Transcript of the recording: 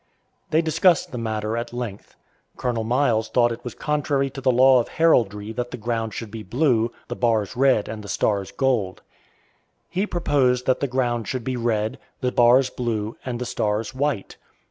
They discussed the matter at length. Colonel Miles thought it was contrary to the law of heraldry that the ground should be blue, the bars red, and the stars gold. He proposed that the ground should be red, the bars blue, and the stars white.